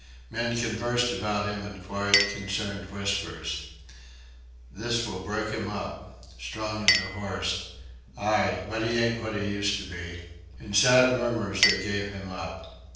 Men conversed about him in quiet, concerned whispers. "This will break'im up"... "Strong as a horse"... "Aye. But he ain't what he used to be." In sad murmurs they gave him up.